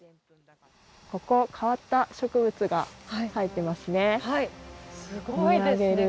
ここ変わった植物が生えてますね。